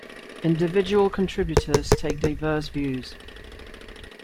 Individual contributors take diverse views.